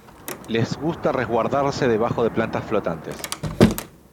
Les gusta resguardarse debajo de plantas flotantes.